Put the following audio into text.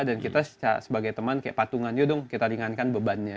dan kita sebagai teman kayak patungan yuk dong kita ringankan bebannya